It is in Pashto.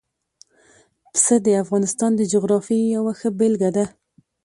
پسه د افغانستان د جغرافیې یوه ښه بېلګه ده.